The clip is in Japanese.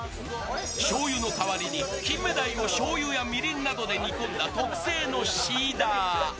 しょうゆの代わりに金目鯛をしょうゆやみりんなどで煮込んだ特製のシーダ